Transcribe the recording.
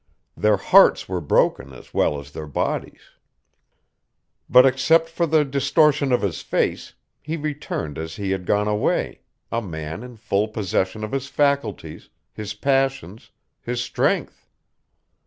Their hearts were broken as well as their bodies. But except for the distortion of his face, he returned as he had gone away, a man in full possession of his faculties, his passions, his strength.